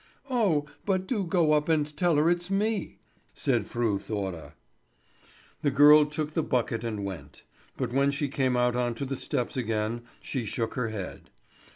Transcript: "Oh, but do go up and tell her it's me!" said Fru Thora. The girl took the bucket and went; but when she came out on to the steps again, she shook her head.